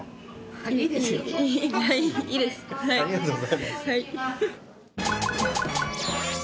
ありがとうございます。